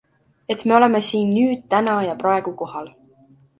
Et me oleme siin, nüüd, täna ja praegu kohal.